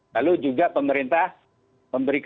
lalu juga pemerintah memperbaiki